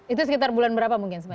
itu sekitar bulan berapa mungkin